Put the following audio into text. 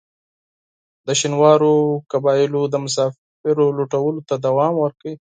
د شینوارو قبایلو د مسافرو لوټلو ته دوام ورکړ.